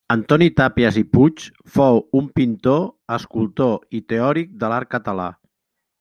Antoni Tàpies i Puig fou un pintor, escultor i teòric de l'art català.